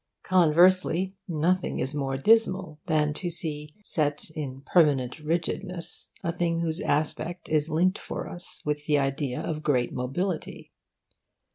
Conversely, nothing is more dismal than to see set in permanent rigidness a thing whose aspect is linked for us with the idea of great mobility.